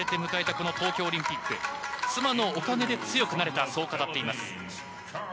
この東京オリンピック、妻のおかげで強くなれた、そう語っています。